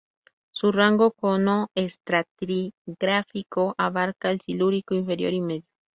Su rango cronoestratigráfico abarca el Silúrico inferior y medio.